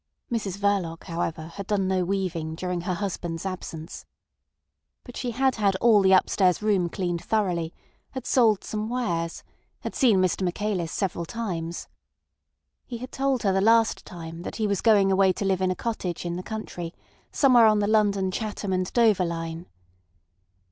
Mrs Verloc, however, had done no weaving during her husband's absence. But she had had all the upstairs room cleaned thoroughly, had sold some wares, had seen Mr Michaelis several times. He had told her the last time that he was going away to live in a cottage in the country, somewhere on the London, Chatham, and Dover line.